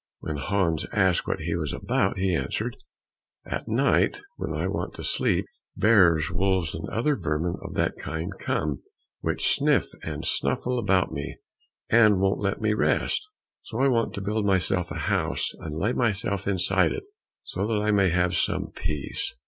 When Hans asked what he was about, he answered, "At night, when I want to sleep, bears, wolves, and other vermin of that kind come, which sniff and snuffle about me and won't let me rest; so I want to build myself a house and lay myself inside it, so that I may have some peace."